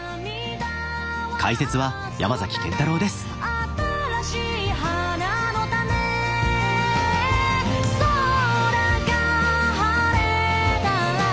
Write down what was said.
「新しい花の種」「空が晴れたら」